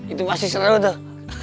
itu masih seru tuh